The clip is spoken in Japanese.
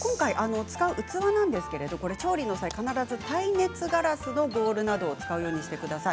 使う器は調理をされる際必ず耐熱ガラスのボウルなどを使うようにしてください。